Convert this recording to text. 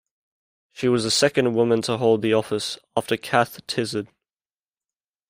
She was the second woman to hold the office, after Cath Tizard.